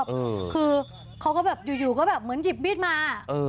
คือเขาก็แบบอยู่อยู่ก็แบบเหมือนหยิบมีดมาเออ